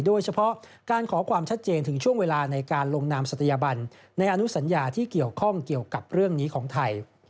โดยเฉพาะการขอความชัดเจนถึงช่วงเวลาในการลงนามศัตยบันในอนุสัญญาที่เกี่ยวข้องเกี่ยวกับเรื่องนี้ของไทย